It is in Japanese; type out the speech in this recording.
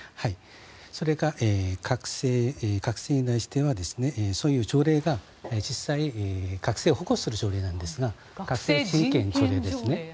それが学生に対してはそういう条例が実際に学生を保護する条例なんですが学生人権条例。